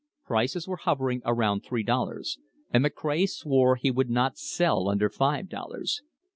Prices were hovering around three dollars, and McCray swore he would not sell under five dollars.